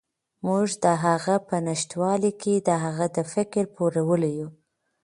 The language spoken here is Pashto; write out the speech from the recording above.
موږ د هغه په نشتوالي کې د هغه د فکر پوروړي یو.